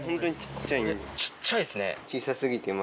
小っちゃいですね。